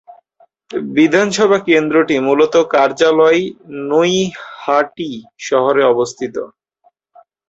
বিধানসভা কেন্দ্রটির মূল কার্যালয় নৈহাটি শহরে অবস্থিত।